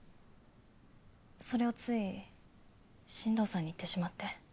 それをつい新藤さんに言ってしまって。